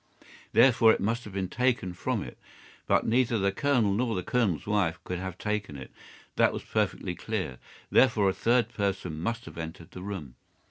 Therefore it must have been taken from it. But neither the Colonel nor the Colonel's wife could have taken it. That was perfectly clear. Therefore a third person must have entered the room.